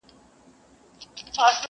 نه درک مي د مالونو نه دوکان سته!.